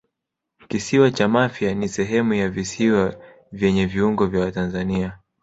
Kisiwa cha Mafia ni sehemu ya visiwa vyenye viungo vya Tanzania